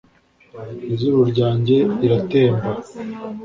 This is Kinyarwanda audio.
izuru ryanjye riratemba